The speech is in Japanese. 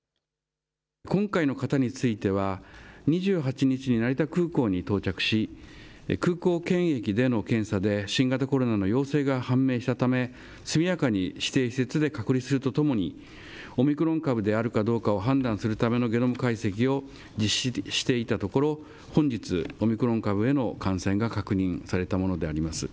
今回の方については、２８日に成田空港に到着し、空港検疫での検査で新型コロナの陽性が判明したため、速やかに指定施設で隔離するとともに、オミクロン株であるかどうかを判断するためのゲノム解析を実施していたところ、本日、オミクロン株への感染が確認されたものであります。